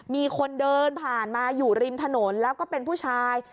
มีคนเดินผ่านมาอยู่ริมถนนแล้วก็เป็นผู้ชาย